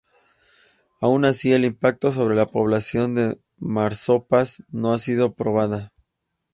Aún así, el impacto sobre la población de marsopas no ha sido probada.